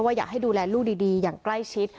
อยากให้ดูแลลูกดีอย่างใกล้ชิด